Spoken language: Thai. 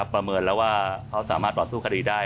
ประเมินแล้วว่าเขาสามารถต่อสู้คดีได้